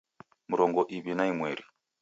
Mrongo iw'i na imweri